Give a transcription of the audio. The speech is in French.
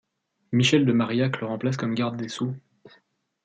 Michel de Marillac le remplace comme garde des sceaux.